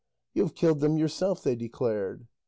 "You have killed them yourself," they declared.